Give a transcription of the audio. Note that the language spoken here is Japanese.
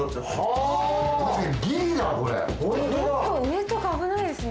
結構上とか危ないですね。